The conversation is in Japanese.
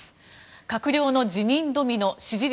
閣僚の辞任ドミノ、支持率